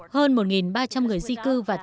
hơn một ba trăm linh người di cư và tị đạn